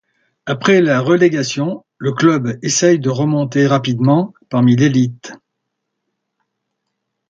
Après la relégation, le club essaie de remonter rapidement parmi l'élite.